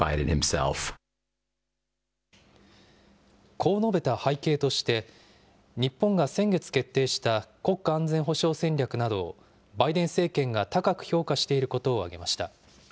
こう述べた背景として、日本が先月決定した国家安全保障戦略などをバイデン政権が高く評価していることを挙げました。